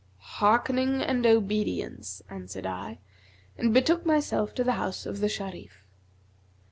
'Hearkening and obedience,' answered I, and betook myself to the house of the Sharif.